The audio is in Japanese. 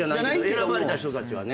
選ばれた人たちはね。